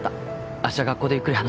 あした学校でゆっくり話そう